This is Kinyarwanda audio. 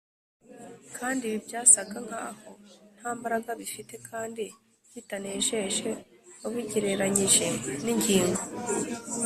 kandi ibi byasaga nk’aho nta mbaraga bifite kandi bitanejeje ubigereranyije n’ingingo